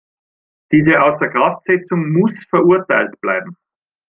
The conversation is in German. Diese Außerkraftsetzung muss verurteilt bleiben!